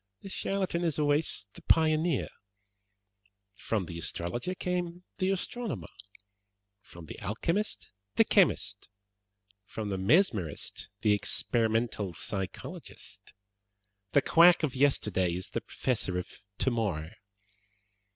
"The charlatan is always the pioneer. From the astrologer came the astronomer, from the alchemist the chemist, from the mesmerist the experimental psychologist. The quack of yesterday is the professor of tomorrow.